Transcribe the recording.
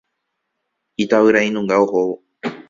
Itavyrainunga ohóvo.